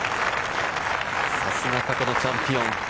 さすが過去のチャンピオン。